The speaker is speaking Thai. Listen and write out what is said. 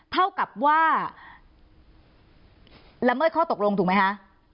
เท่ากับว่าละเมิดข้อตกลงถูกไหมคะ